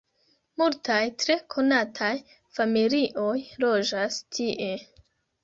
Multaj tre konataj familioj loĝas tie.